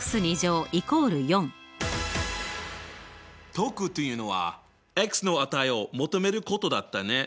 解くというのはの値を求めることだったね。